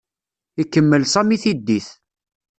Ikemmel Sami tiddit.